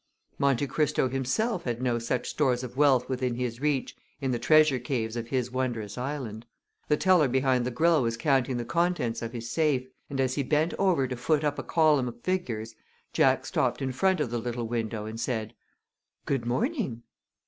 Monte Cristo himself had no such stores of wealth within his reach in the treasure caves of his wondrous island. The teller behind the grill was counting the contents of his safe, and as he bent over to foot up a column of figures Jack stopped in front of the little window and said: "Good morning!"